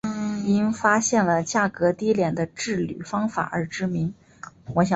因发现了价格低廉的制铝方法而知名。